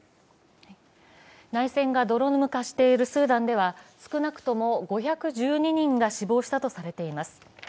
内戦が泥沼化しているスーダンでは少なくとも５１２人が死亡したとされています。